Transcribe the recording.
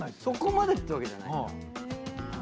そこまでってわけじゃない。